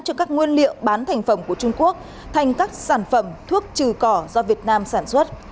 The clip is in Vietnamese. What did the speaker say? cho các nguyên liệu bán thành phẩm của trung quốc thành các sản phẩm thuốc trừ cỏ do việt nam sản xuất